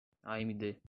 amd